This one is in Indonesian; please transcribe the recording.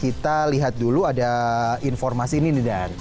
kita lihat dulu ada informasi ini nih dan